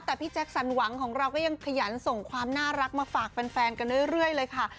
แต่พี่แจ็คสันหวังของเราก็ยังขยันส่งความน่ารักมาฝากแฟนกันเรื่อยเลยค่ะ